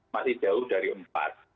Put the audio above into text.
masih jauh dari empat